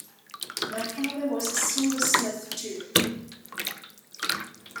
My father was a silversmith, too.